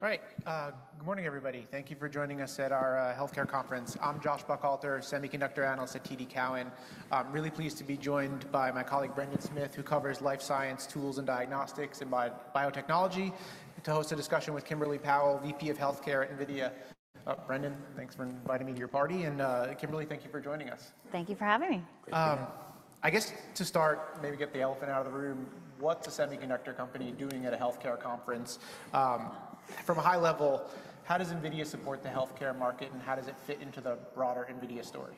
All right. Good morning, everybody. Thank you for joining us at our healthcare conference. I'm Josh Buchalter, semiconductor analyst at TD Cowen. I'm really pleased to be joined by my colleague, Brendan Smith, who covers life science, tools, and diagnostics, and biotechnology, to host a discussion with Kimberly Powell, VP of Healthcare at NVIDIA. Brendan, thanks for inviting me to your party. And Kimberly, thank you for joining us. Thank you for having me. I guess to start, maybe get the elephant out of the room, what's a semiconductor company doing at a healthcare conference? From a high level, how does NVIDIA support the healthcare market, and how does it fit into the broader NVIDIA story?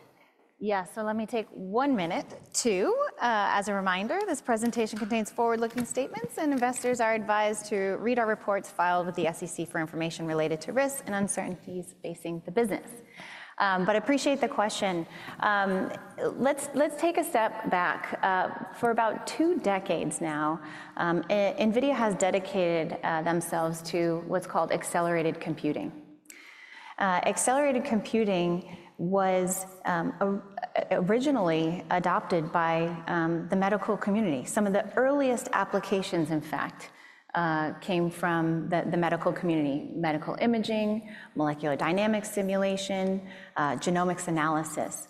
Yeah, so let me take one minute to, as a reminder, this presentation contains forward-looking statements, and investors are advised to read our reports filed with the SEC for information related to risks and uncertainties facing the business. But I appreciate the question. Let's take a step back. For about two decades now, NVIDIA has dedicated themselves to what's called accelerated computing. Accelerated computing was originally adopted by the medical community. Some of the earliest applications, in fact, came from the medical community: medical imaging, molecular dynamics simulation, genomics analysis.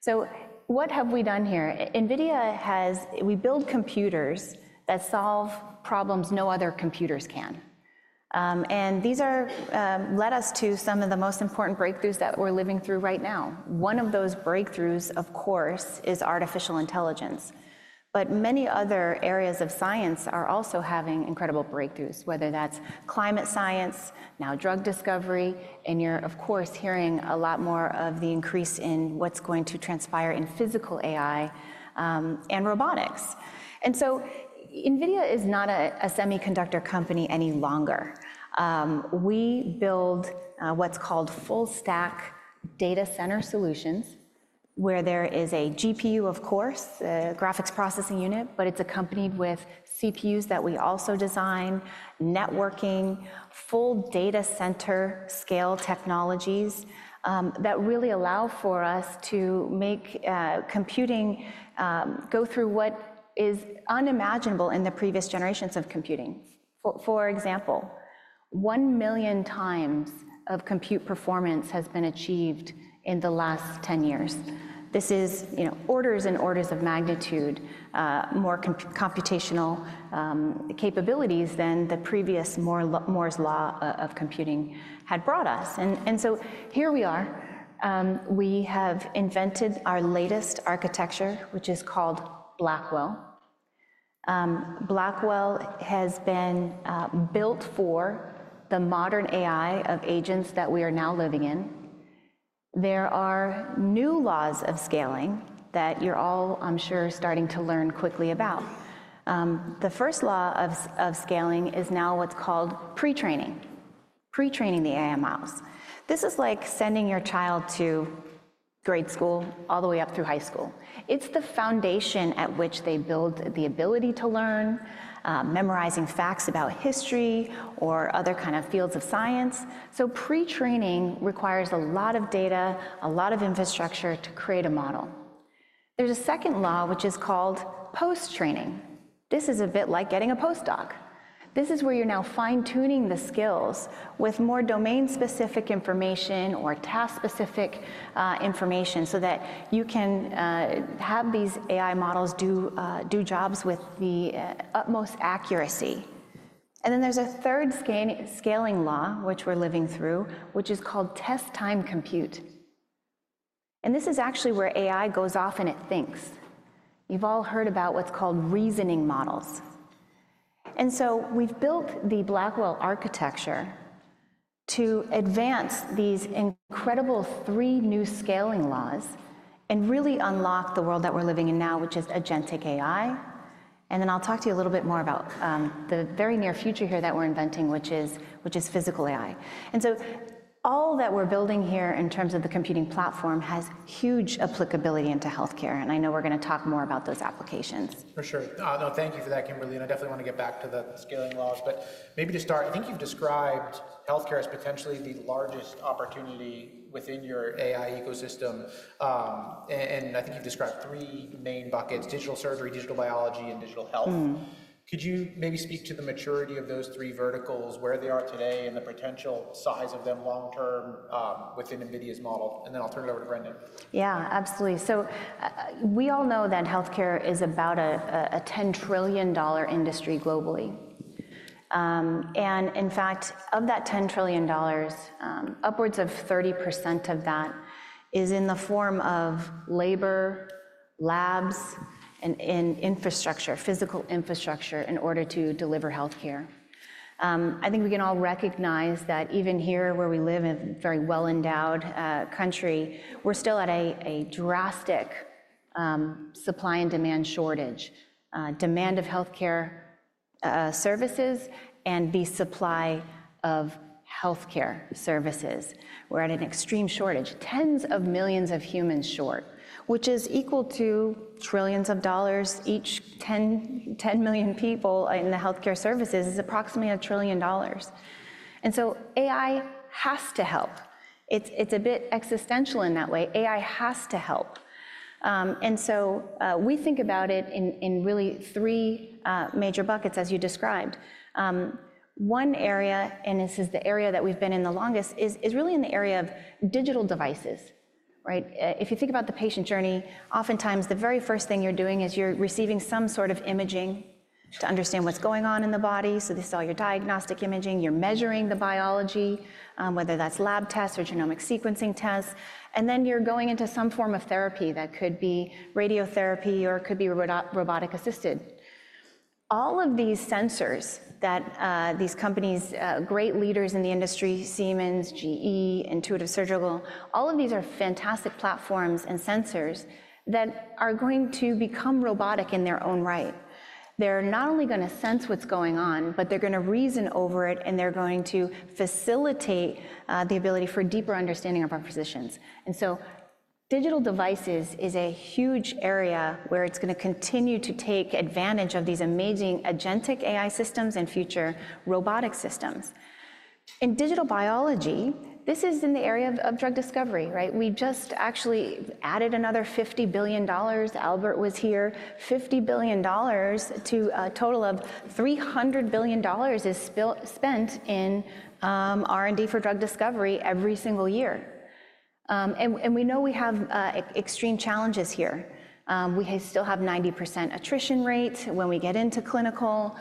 So what have we done here? NVIDIA has built computers that solve problems no other computers can. And these have led us to some of the most important breakthroughs that we're living through right now. One of those breakthroughs, of course, is artificial intelligence. But many other areas of science are also having incredible breakthroughs, whether that's climate science, now drug discovery, and you're, of course, hearing a lot more of the increase in what's going to transpire in physical AI and robotics. And so NVIDIA is not a semiconductor company any longer. We build what's called full-stack data center solutions, where there is a GPU, of course, a graphics processing unit, but it's accompanied with CPUs that we also design, networking, full data center scale technologies that really allow for us to make computing go through what is unimaginable in the previous generations of computing. For example, one million times of compute performance has been achieved in the last 10 years. This is orders and orders of magnitude more computational capabilities than the previous Moore's Law of computing had brought us. And so here we are. We have invented our latest architecture, which is called Blackwell. Blackwell has been built for the modern AI of agents that we are now living in. There are new laws of scaling that you're all, I'm sure, starting to learn quickly about. The first law of scaling is now what's called pre-training, pre-training the AI models. This is like sending your child to grade school all the way up through high school. It's the foundation at which they build the ability to learn, memorizing facts about history or other kinds of fields of science. So pre-training requires a lot of data, a lot of infrastructure to create a model. There's a second law, which is called post-training. This is a bit like getting a postdoc. This is where you're now fine-tuning the skills with more domain-specific information or task-specific information so that you can have these AI models do jobs with the utmost accuracy, and then there's a third scaling law, which we're living through, which is called test-time compute, and this is actually where AI goes off and it thinks. You've all heard about what's called reasoning models, and so we've built the Blackwell architecture to advance these incredible three new scaling laws and really unlock the world that we're living in now, which is agentic AI, and then I'll talk to you a little bit more about the very near future here that we're inventing, which is physical AI, and so all that we're building here in terms of the computing platform has huge applicability into healthcare, and I know we're going to talk more about those applications. For sure. No, thank you for that, Kimberly. And I definitely want to get back to the scaling laws. But maybe to start, I think you've described healthcare as potentially the largest opportunity within your AI ecosystem. And I think you've described three main buckets: digital surgery, digital biology, and digital health. Could you maybe speak to the maturity of those three verticals, where they are today, and the potential size of them long-term within NVIDIA's model? And then I'll turn it over to Brendan. Yeah, absolutely. So we all know that healthcare is about a $10 trillion industry globally. And in fact, of that $10 trillion, upwards of 30% of that is in the form of labor, labs, and infrastructure, physical infrastructure, in order to deliver healthcare. I think we can all recognize that even here, where we live, a very well-endowed country, we're still at a drastic supply and demand shortage. Demand of healthcare services and the supply of healthcare services. We're at an extreme shortage, tens of millions of humans short, which is equal to trillions of dollars. Each 10 million people in the healthcare services is approximately a trillion dollars. And so AI has to help. It's a bit existential in that way. AI has to help. And so we think about it in really three major buckets, as you described. One area, and this is the area that we've been in the longest, is really in the area of digital devices. If you think about the patient journey, oftentimes the very first thing you're doing is you're receiving some sort of imaging to understand what's going on in the body. So this is all your diagnostic imaging. You're measuring the biology, whether that's lab tests or genomic sequencing tests. And then you're going into some form of therapy that could be radiotherapy or could be robotic-assisted. All of these sensors that these companies, great leaders in the industry, Siemens, GE, Intuitive Surgical, all of these are fantastic platforms and sensors that are going to become robotic in their own right. They're not only going to sense what's going on, but they're going to reason over it, and they're going to facilitate the ability for deeper understanding of our positions. And so digital devices is a huge area where it's going to continue to take advantage of these amazing agentic AI systems and future robotic systems. In digital biology, this is in the area of drug discovery. We just actually added another $50 billion. Albert was here. $50 billion to a total of $300 billion is spent in R&D for drug discovery every single year. And we know we have extreme challenges here. We still have 90% attrition rate when we get into clinical.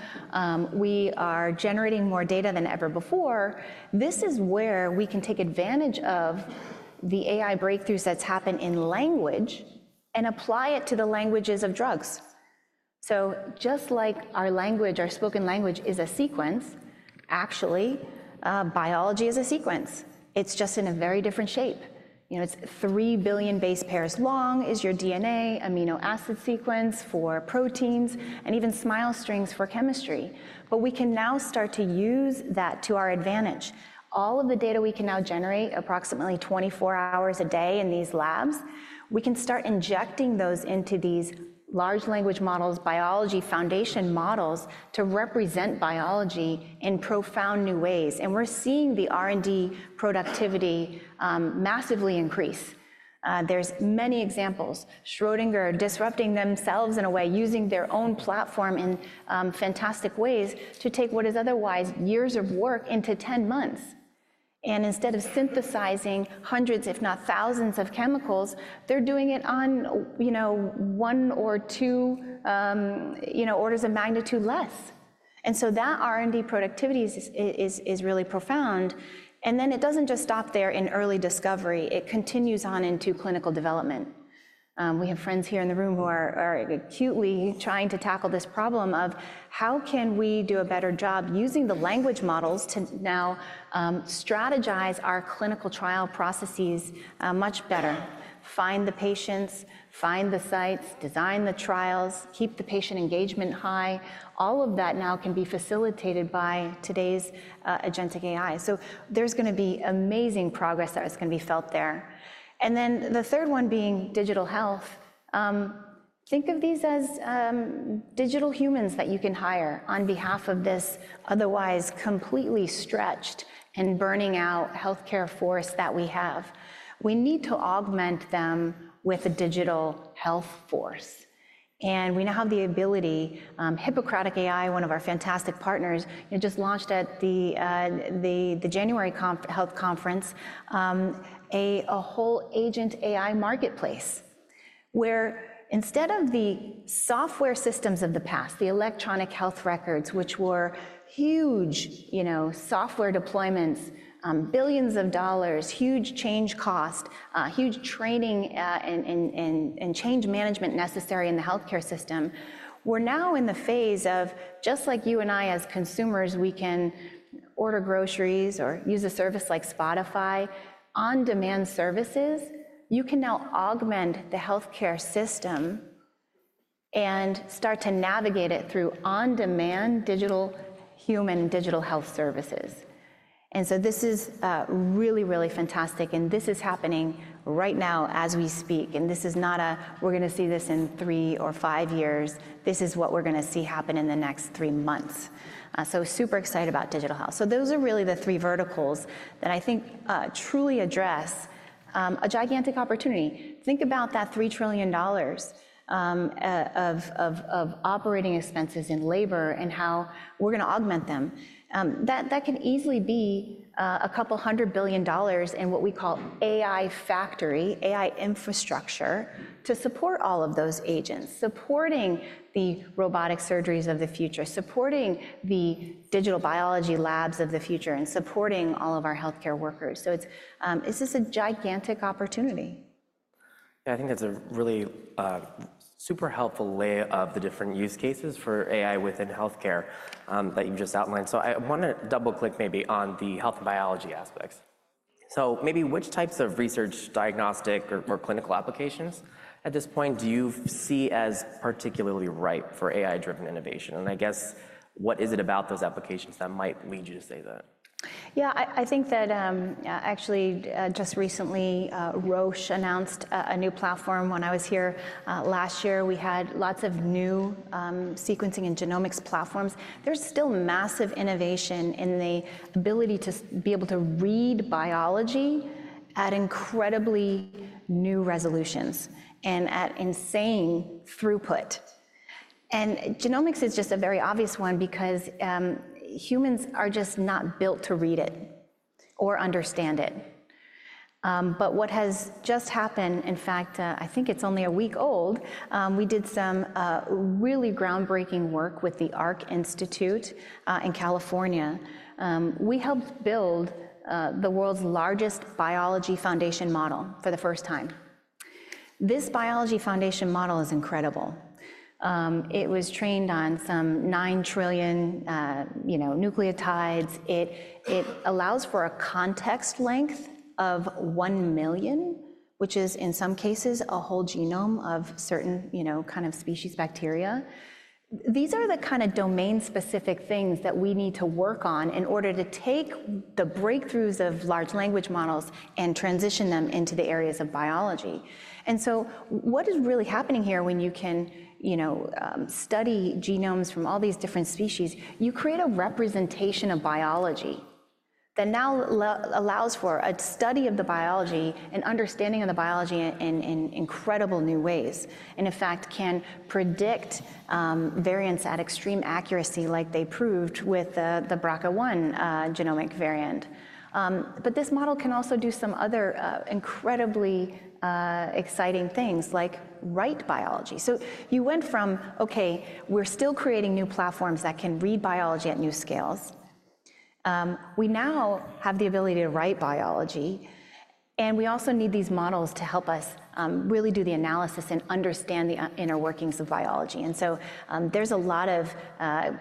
We are generating more data than ever before. This is where we can take advantage of the AI breakthroughs that's happened in language and apply it to the languages of drugs. So just like our language, our spoken language, is a sequence, actually, biology is a sequence. It's just in a very different shape. It's 3 billion base pairs long—is your DNA, amino acid sequence for proteins, and even SMILES strings for chemistry. But we can now start to use that to our advantage. All of the data we can now generate approximately 24 hours a day in these labs, we can start injecting those into these large language models, biology foundation models to represent biology in profound new ways, and we're seeing the R&D productivity massively increase. There's many examples. Schrödinger disrupting themselves in a way, using their own platform in fantastic ways to take what is otherwise years of work into 10 months, and instead of synthesizing hundreds, if not thousands of chemicals, they're doing it on one or two orders of magnitude less, and so that R&D productivity is really profound, and then it doesn't just stop there in early discovery. It continues on into clinical development. We have friends here in the room who are acutely trying to tackle this problem of how can we do a better job using the language models to now strategize our clinical trial processes much better, find the patients, find the sites, design the trials, keep the patient engagement high. All of that now can be facilitated by today's agentic AI, so there's going to be amazing progress that is going to be felt there, and then the third one being digital health. Think of these as digital humans that you can hire on behalf of this otherwise completely stretched and burning out healthcare force that we have. We need to augment them with a digital health force. And we now have the ability. Hippocratic AI, one of our fantastic partners, just launched at the January Health Conference a whole agent AI marketplace where instead of the software systems of the past, the electronic health records, which were huge software deployments, billions of dollars, huge change cost, huge training and change management necessary in the healthcare system, we're now in the phase of just like you and I as consumers, we can order groceries or use a service like Spotify, on-demand services. You can now augment the healthcare system and start to navigate it through on-demand digital human and digital health services. And so this is really, really fantastic. And this is happening right now as we speak. And this is not, we're going to see this in three or five years. This is what we're going to see happen in the next three months. So super excited about digital health. So those are really the three verticals that I think truly address a gigantic opportunity. Think about that $3 trillion of operating expenses in labor and how we're going to augment them. That can easily be a couple hundred billion dollars in what we call AI factory, AI infrastructure to support all of those agents, supporting the robotic surgeries of the future, supporting the digital biology labs of the future, and supporting all of our healthcare workers. So this is a gigantic opportunity. Yeah, I think that's a really super helpful lay of the different use cases for AI within healthcare that you just outlined. So I want to double-click maybe on the health and biology aspects. So maybe which types of research, diagnostic, or clinical applications at this point do you see as particularly ripe for AI-driven innovation? And I guess what is it about those applications that might lead you to say that? Yeah, I think that actually just recently Roche announced a new platform. When I was here last year, we had lots of new sequencing and genomics platforms. There's still massive innovation in the ability to be able to read biology at incredibly new resolutions and at insane throughput, and genomics is just a very obvious one because humans are just not built to read it or understand it, but what has just happened, in fact, I think it's only a week old, we did some really groundbreaking work with the Arc Institute in California. We helped build the world's largest biology foundation model for the first time. This biology foundation model is incredible. It was trained on some nine trillion nucleotides. It allows for a context length of one million, which is in some cases a whole genome of certain kind of species, bacteria. These are the kind of domain-specific things that we need to work on in order to take the breakthroughs of large language models and transition them into the areas of biology. And so what is really happening here when you can study genomes from all these different species, you create a representation of biology that now allows for a study of the biology and understanding of the biology in incredible new ways. And in fact, can predict variants at extreme accuracy like they proved with the BRCA1 genomic variant. But this model can also do some other incredibly exciting things like write biology. So you went from, okay, we're still creating new platforms that can read biology at new scales. We now have the ability to write biology. And we also need these models to help us really do the analysis and understand the inner workings of biology. And so there's a lot of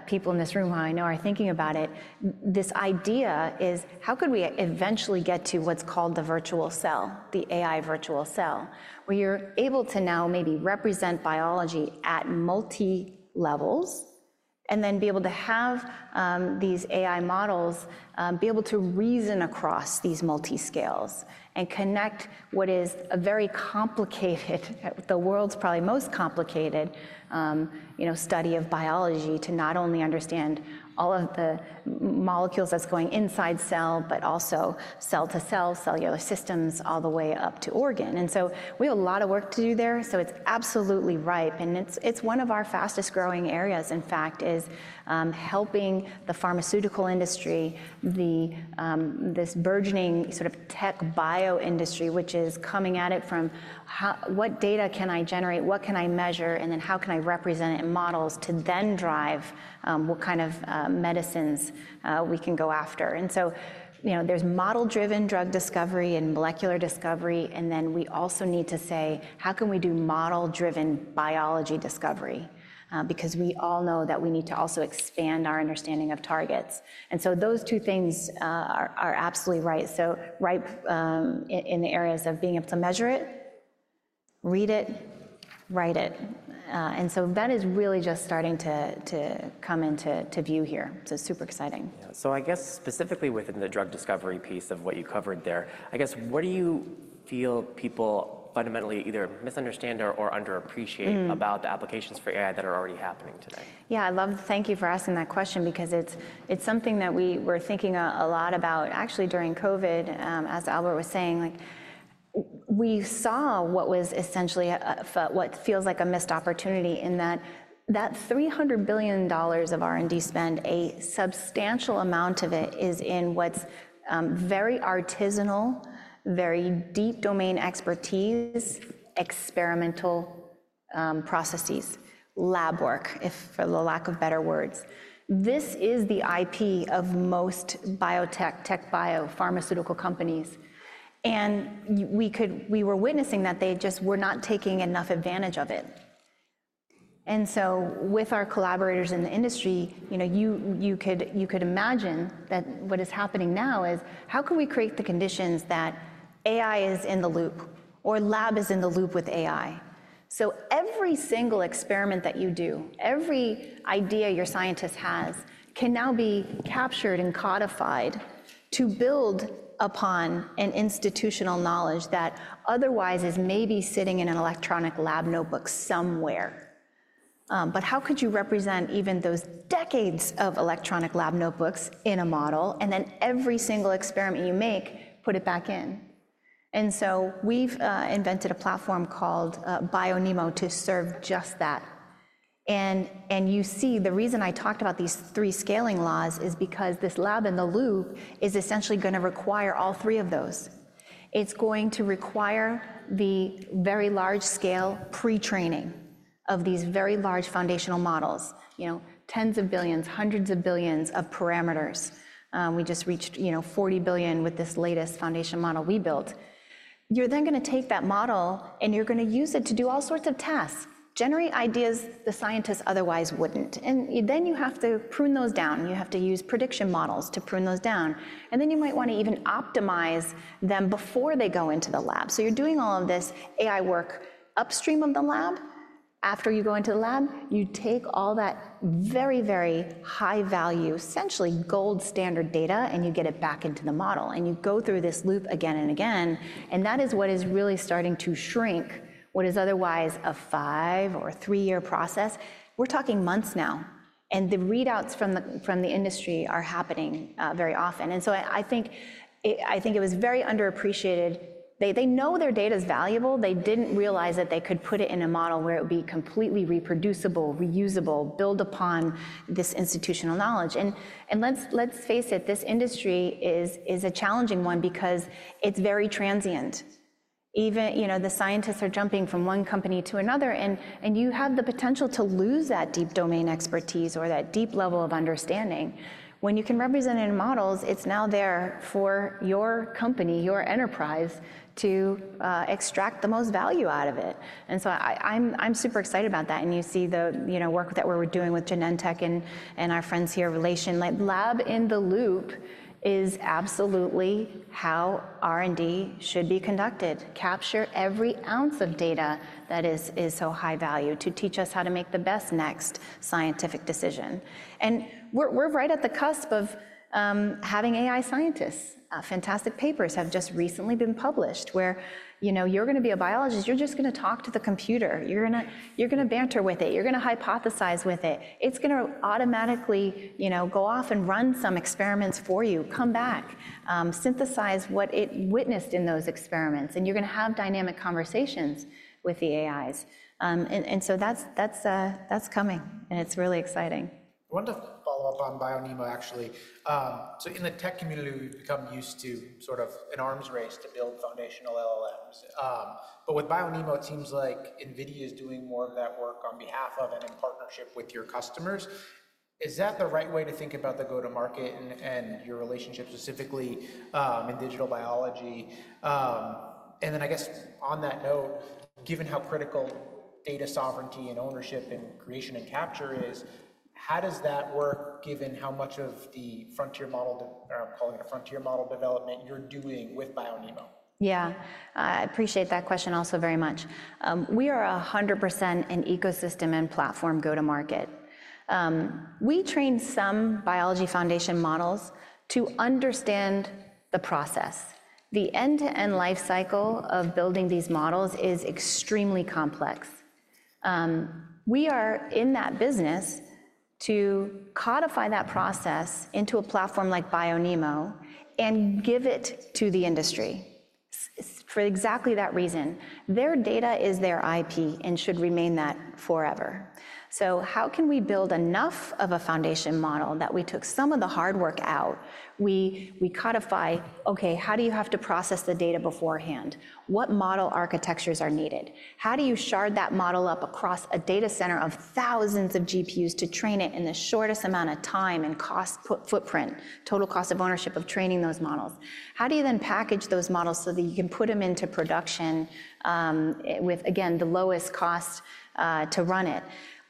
people in this room who I know are thinking about it. This idea is how could we eventually get to what's called the virtual cell, the AI virtual cell, where you're able to now maybe represent biology at multi-levels and then be able to have these AI models be able to reason across these multi-scales and connect what is a very complicated, the world's probably most complicated study of biology to not only understand all of the molecules that's going inside cell, but also cell to cell, cellular systems all the way up to organ. And so we have a lot of work to do there. So it's absolutely ripe. And it's one of our fastest growing areas, in fact, is helping the pharmaceutical industry, this burgeoning sort of TechBio industry, which is coming at it from what data can I generate, what can I measure, and then how can I represent it in models to then drive what kind of medicines we can go after. And so there's model-driven drug discovery and molecular discovery. And then we also need to say, how can we do model-driven biology discovery? Because we all know that we need to also expand our understanding of targets. And so those two things are absolutely right. So ripe in the areas of being able to measure it, read it, write it. And so that is really just starting to come into view here. So super exciting. So I guess specifically within the drug discovery piece of what you covered there, I guess what do you feel people fundamentally either misunderstand or underappreciate about the applications for AI that are already happening today? Yeah, I'd love to thank you for asking that question because it's something that we were thinking a lot about actually during COVID, as Albert was saying. We saw what was essentially what feels like a missed opportunity in that $300 billion of R&D spend, a substantial amount of it is in what's very artisanal, very deep domain expertise, experimental processes, lab work, for the lack of better words. This is the IP of most biotech, TechBio, pharmaceutical companies. And we were witnessing that they just were not taking enough advantage of it. And so with our collaborators in the industry, you could imagine that what is happening now is how can we create the conditions that AI is in the loop or lab is in the loop with AI? So every single experiment that you do, every idea your scientist has can now be captured and codified to build upon an institutional knowledge that otherwise is maybe sitting in an electronic lab notebook somewhere. But how could you represent even those decades of electronic lab notebooks in a model and then every single experiment you make, put it back in? And so we've invented a platform called BioNeMo to serve just that. And you see the reason I talked about these three scaling laws is because this lab-in-the-loop is essentially going to require all three of those. It's going to require the very large scale pre-training of these very large foundational models, tens of billions, hundreds of billions of parameters. We just reached 40 billion with this latest foundation model we built. You're then going to take that model and you're going to use it to do all sorts of tasks, generate ideas the scientists otherwise wouldn't. And then you have to prune those down. You have to use prediction models to prune those down. And then you might want to even optimize them before they go into the lab. So you're doing all of this AI work upstream of the lab. After you go into the lab, you take all that very, very high value, essentially gold standard data, and you get it back into the model. And you go through this loop again and again. And that is what is really starting to shrink what is otherwise a five- or three-year process. We're talking months now. And the readouts from the industry are happening very often. And so I think it was very underappreciated. They know their data is valuable. They didn't realize that they could put it in a model where it would be completely reproducible, reusable, built upon this institutional knowledge, and let's face it, this industry is a challenging one because it's very transient. The scientists are jumping from one company to another, and you have the potential to lose that deep domain expertise or that deep level of understanding. When you can represent it in models, it's now there for your company, your enterprise to extract the most value out of it, and so I'm super excited about that, and you see the work that we're doing with Genentech and our friends here, Relation. Lab-in-the-loop is absolutely how R&D should be conducted, capture every ounce of data that is so high value to teach us how to make the best next scientific decision, and we're right at the cusp of having AI scientists. Fantastic papers have just recently been published where you're going to be a biologist. You're just going to talk to the computer. You're going to banter with it. You're going to hypothesize with it. It's going to automatically go off and run some experiments for you, come back, synthesize what it witnessed in those experiments. And you're going to have dynamic conversations with the AIs. And so that's coming. And it's really exciting. Wonderful follow-up on BioNeMo, actually. So in the tech community, we've become used to sort of an arms race to build foundational LLMs. But with BioNeMo, it seems like NVIDIA is doing more of that work on behalf of and in partnership with your customers. Is that the right way to think about the go-to-market and your relationship specifically in digital biology? And then I guess on that note, given how critical data sovereignty and ownership and creation and capture is, how does that work given how much of the frontier model, or I'm calling it a frontier model development, you're doing with BioNeMo? Yeah, I appreciate that question also very much. We are 100% an ecosystem and platform go-to-market. We train some biology foundation models to understand the process. The end-to-end life cycle of building these models is extremely complex. We are in that business to codify that process into a platform like BioNeMo and give it to the industry for exactly that reason. Their data is their IP and should remain that forever. So how can we build enough of a foundation model that we took some of the hard work out? We codify, okay, how do you have to process the data beforehand? What model architectures are needed? How do you shard that model up across a data center of thousands of GPUs to train it in the shortest amount of time and cost footprint, total cost of ownership of training those models? How do you then package those models so that you can put them into production with, again, the lowest cost to run it?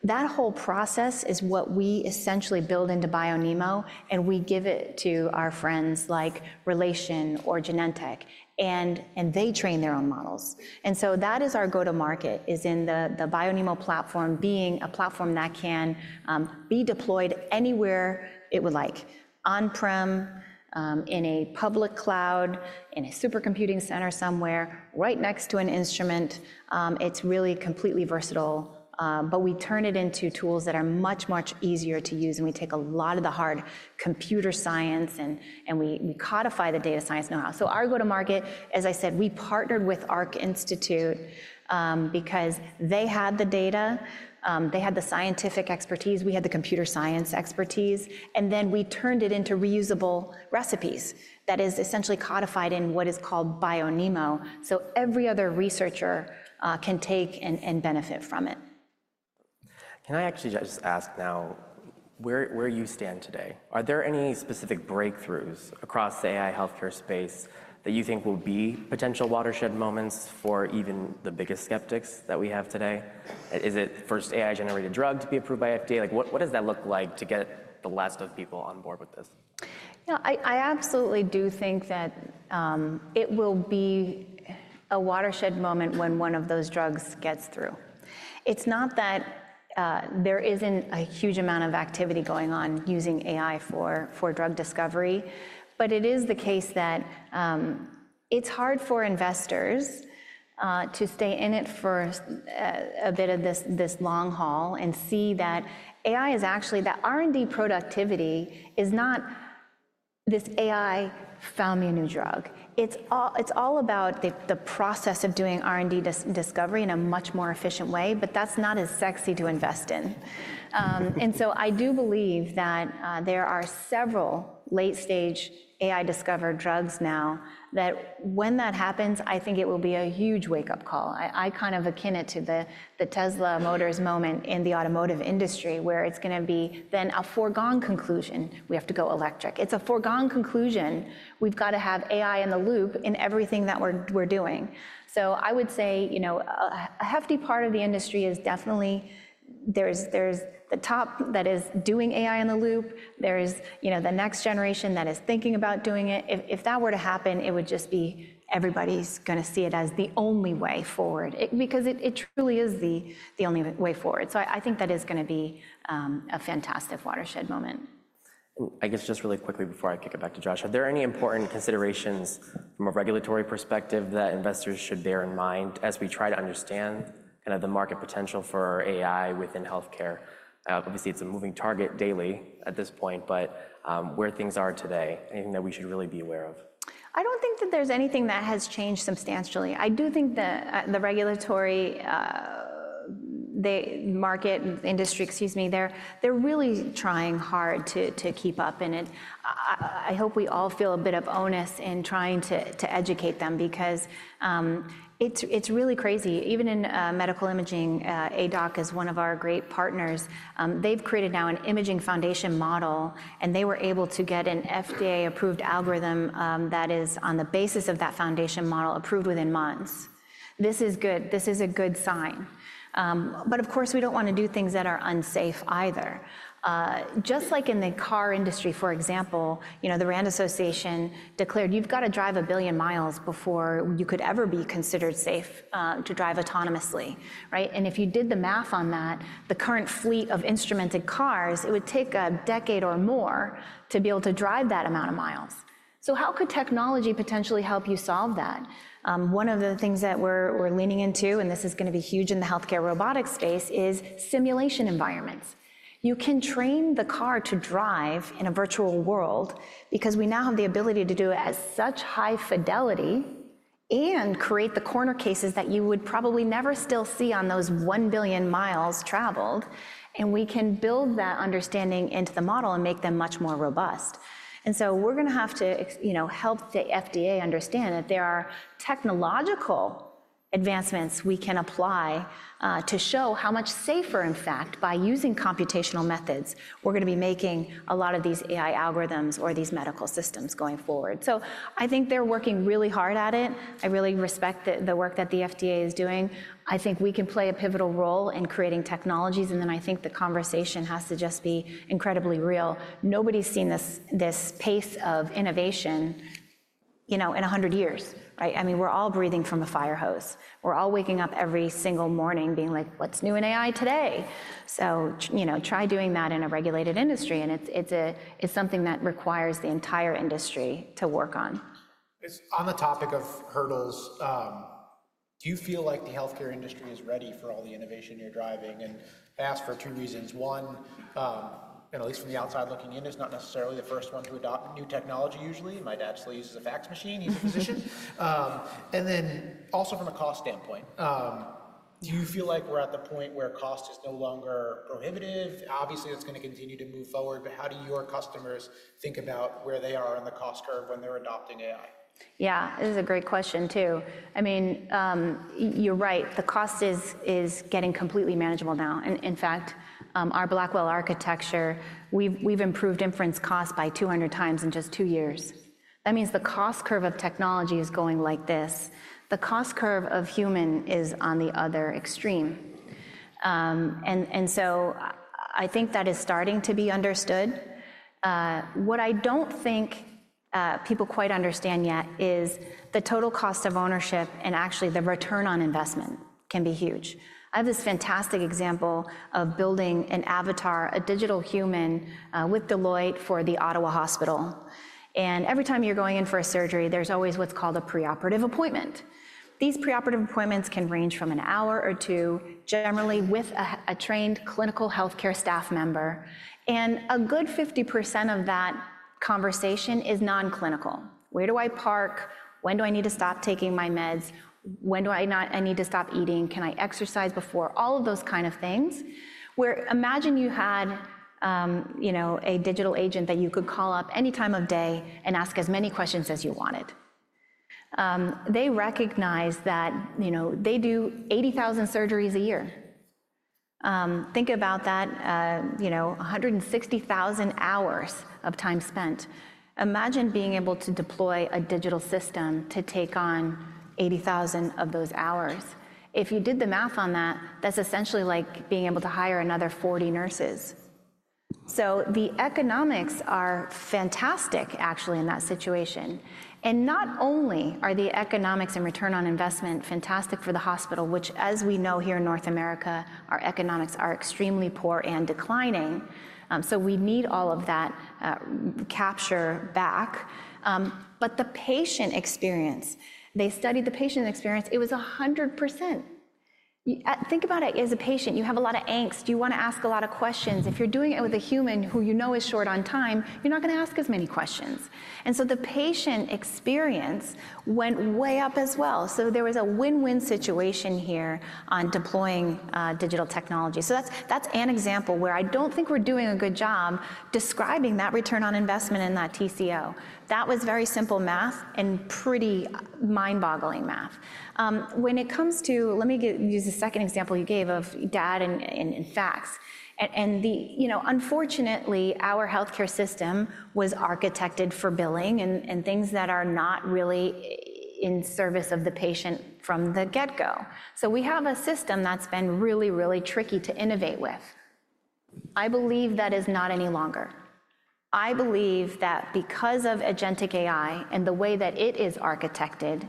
That whole process is what we essentially build into BioNeMo. And we give it to our friends like Relation or Genentech. And they train their own models. And so that is our go-to-market is in the BioNeMo platform being a platform that can be deployed anywhere it would like, on-prem, in a public cloud, in a supercomputing center somewhere, right next to an instrument. It's really completely versatile. But we turn it into tools that are much, much easier to use. And we take a lot of the hard computer science and we codify the data science know-how. So our go-to-market, as I said, we partnered with Arc Institute because they had the data, they had the scientific expertise, we had the computer science expertise. And then we turned it into reusable recipes that is essentially codified in what is called BioNeMo. So every other researcher can take and benefit from it. Can I actually just ask now where you stand today? Are there any specific breakthroughs across the AI healthcare space that you think will be potential watershed moments for even the biggest skeptics that we have today? Is it first AI-generated drug to be approved by FDA? What does that look like to get the last of people on board with this? Yeah, I absolutely do think that it will be a watershed moment when one of those drugs gets through. It's not that there isn't a huge amount of activity going on using AI for drug discovery. But it is the case that it's hard for investors to stay in it for a bit of this long haul and see that AI is actually that R&D productivity is not this AI, found me a new drug. It's all about the process of doing R&D discovery in a much more efficient way. But that's not as sexy to invest in. And so I do believe that there are several late-stage AI discovered drugs now that when that happens, I think it will be a huge wake-up call. I kind of akin it to the Tesla Motors moment in the automotive industry where it's going to be then a foregone conclusion. We have to go electric. It's a foregone conclusion. We've got to have AI in the loop in everything that we're doing. So I would say a hefty part of the industry is definitely there. There's the top that is doing AI in the loop. There is the next generation that is thinking about doing it. If that were to happen, it would just be everybody's going to see it as the only way forward because it truly is the only way forward. So I think that is going to be a fantastic watershed moment. I guess just really quickly before I kick it back to Josh, are there any important considerations from a regulatory perspective that investors should bear in mind as we try to understand kind of the market potential for AI within healthcare? Obviously, it's a moving target daily at this point. But where things are today, anything that we should really be aware of? I don't think that there's anything that has changed substantially. I do think that the regulatory market industry, excuse me, they're really trying hard to keep up in it. I hope we all feel a bit of onus in trying to educate them because it's really crazy. Even in medical imaging, Aidoc is one of our great partners. They've created now an imaging foundation model. And they were able to get an FDA-approved algorithm that is on the basis of that foundation model approved within months. This is good. This is a good sign. But of course, we don't want to do things that are unsafe either. Just like in the car industry, for example, the RAND Association declared you've got to drive a billion miles before you could ever be considered safe to drive autonomously. If you did the math on that, the current fleet of instrumented cars, it would take a decade or more to be able to drive that amount of miles. So how could technology potentially help you solve that? One of the things that we're leaning into, and this is going to be huge in the healthcare robotics space, is simulation environments. You can train the car to drive in a virtual world because we now have the ability to do it at such high fidelity and create the corner cases that you would probably never still see on those one billion miles traveled. And we can build that understanding into the model and make them much more robust. And so we're going to have to help the FDA understand that there are technological advancements we can apply to show how much safer, in fact, by using computational methods, we're going to be making a lot of these AI algorithms or these medical systems going forward. So I think they're working really hard at it. I really respect the work that the FDA is doing. I think we can play a pivotal role in creating technologies. And then I think the conversation has to just be incredibly real. Nobody's seen this pace of innovation in 100 years. I mean, we're all breathing from a fire hose. We're all waking up every single morning being like, what's new in AI today? So try doing that in a regulated industry. And it's something that requires the entire industry to work on. On the topic of hurdles, do you feel like the healthcare industry is ready for all the innovation you're driving? And I ask for two reasons. One, at least from the outside looking in, it's not necessarily the first one to adopt new technology usually. My dad still uses a fax machine. He's a physician. And then also from a cost standpoint, do you feel like we're at the point where cost is no longer prohibitive? Obviously, it's going to continue to move forward. But how do your customers think about where they are on the cost curve when they're adopting AI? Yeah, this is a great question too. I mean, you're right. The cost is getting completely manageable now, and in fact, our Blackwell architecture, we've improved inference cost by 200 times in just two years. That means the cost curve of technology is going like this. The cost curve of human is on the other extreme, and so I think that is starting to be understood. What I don't think people quite understand yet is the total cost of ownership and actually the return on investment can be huge. I have this fantastic example of building an avatar, a digital human with Deloitte for The Ottawa Hospital, and every time you're going in for a surgery, there's always what's called a preoperative appointment. These preoperative appointments can range from an hour or two, generally with a trained clinical healthcare staff member, and a good 50% of that conversation is non-clinical. Where do I park? When do I need to stop taking my meds? When do I need to stop eating? Can I exercise before? All of those kind of things. Whereas imagine you had a digital agent that you could call up any time of day and ask as many questions as you wanted. They recognize that they do 80,000 surgeries a year. Think about that, 160,000 hours of time spent. Imagine being able to deploy a digital system to take on 80,000 of those hours. If you did the math on that, that's essentially like being able to hire another 40 nurses. So the economics are fantastic, actually, in that situation. And not only are the economics and return on investment fantastic for the hospital, which as we know here in North America, our economics are extremely poor and declining. So we need all of that capture back. But the patient experience, they studied the patient experience. It was 100%. Think about it as a patient. You have a lot of angst. You want to ask a lot of questions. If you're doing it with a human who you know is short on time, you're not going to ask as many questions, and so the patient experience went way up as well, so there was a win-win situation here on deploying digital technology. So that's an example where I don't think we're doing a good job describing that return on investment in that TCO. That was very simple math and pretty mind-boggling math. When it comes to, let me use the second example you gave of data and fax, and unfortunately, our healthcare system was architected for billing and things that are not really in service of the patient from the get-go. So we have a system that's been really, really tricky to innovate with. I believe that is not any longer. I believe that because of agentic AI and the way that it is architected,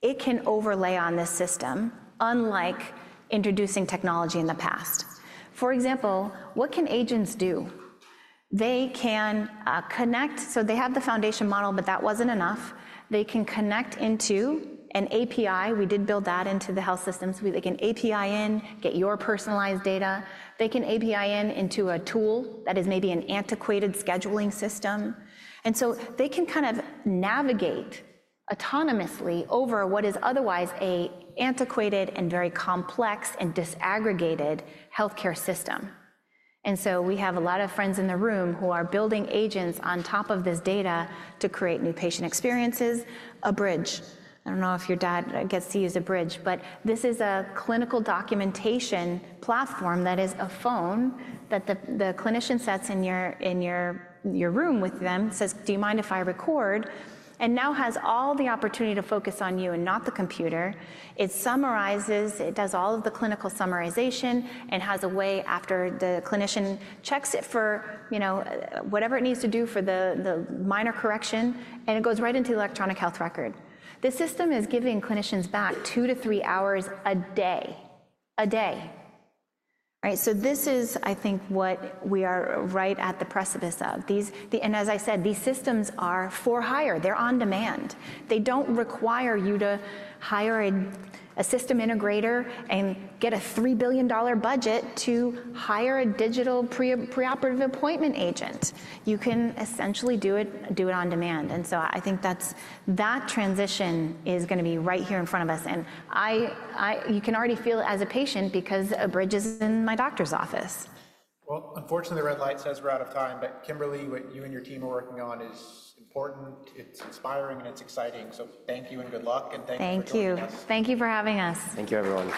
it can overlay on this system unlike introducing technology in the past. For example, what can agents do? They can connect, so they have the foundation model, but that wasn't enough. They can connect into an API. We did build that into the health systems. We can API in, get your personalized data. They can API in into a tool that is maybe an antiquated scheduling system. And so they can kind of navigate autonomously over what is otherwise an antiquated and very complex and disaggregated healthcare system. And so we have a lot of friends in the room who are building agents on top of this data to create new patient experiences, Abridge. I don't know if your dad gets to use Abridge. But this is a clinical documentation platform that is a phone that the clinician sets in your room with them, says, do you mind if I record? And now has all the opportunity to focus on you and not the computer. It summarizes. It does all of the clinical summarization and has a way after the clinician checks it for whatever it needs to do for the minor correction. And it goes right into the electronic health record. This system is giving clinicians back two to three hours a day. So this is, I think, what we are right at the precipice of. And as I said, these systems are for hire. They're on demand. They don't require you to hire a system integrator and get a $3 billion budget to hire a digital preoperative appointment agent. You can essentially do it on demand. And so I think that transition is going to be right here in front of us. And you can already feel it as a patient because Abridge is in my doctor's office. Unfortunately, the red light says we're out of time. Kimberly, what you and your team are working on is important. It's inspiring and it's exciting. So thank you and good luck. Thank you. Thank you. Thank you for having us. Thank you, everyone.